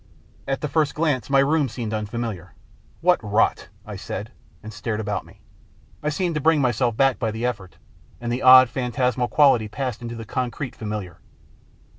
At the first glance my room seemed unfamiliar. " What rot !" I said, and stared about me. I seemed to bring myself back by the effort, and the odd phantasmal quality passed into the concrete familiar.